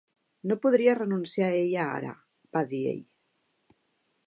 "No podria renunciar a ella ara", va dir ell.